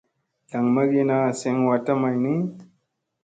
Zlaŋmagina seŋ watta may ni.